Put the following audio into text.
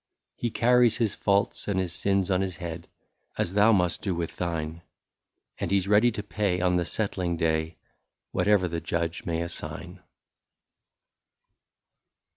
He carries his faults and his sins on his head As thou must do with thine — And he 's ready to pay on the settling day, Whatever the judge may assign.